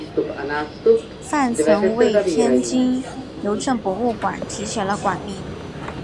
范曾为天津邮政博物馆题写了馆名。